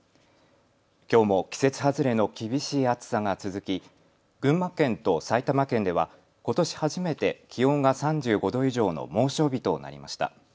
きょうも季節外れの厳しい暑さが続き群馬県と埼玉県ではことし初めて気温が３５度以上の猛暑日となりました。